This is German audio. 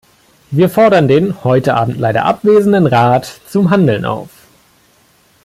Wir fordern den heute Abend leider abwesenden Rat zum Handeln auf.